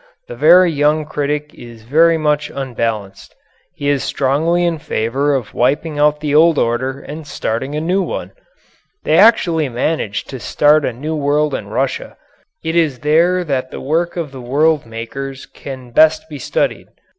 The very young critic is very much unbalanced. He is strongly in favor of wiping out the old order and starting a new one. They actually managed to start a new world in Russia. It is there that the work of the world makers can best be studied.